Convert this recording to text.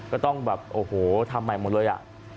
ก็ต้องทำใหม่หมดเลย